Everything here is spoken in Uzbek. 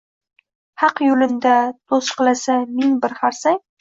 Haq yulinda tusiqlasa ming bir harsang